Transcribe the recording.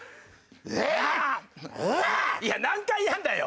いや何回やるんだよ！